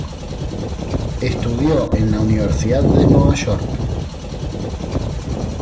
Estudió en la Universidad de Nueva York.